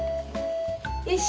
よし！